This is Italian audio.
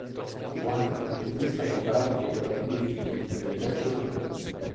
Fu anche progettista di apparati decorativi effimeri per le feste cittadine.